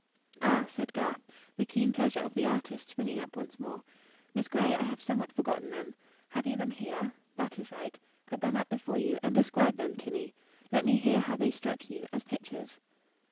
"Ah," said Garth, the keen pleasure of the artist springing up once more. "Miss Gray, I have somewhat forgotten them. Have you them here? That is right. Put them up before you, and describe them to me. Let me hear how they struck you, as pictures."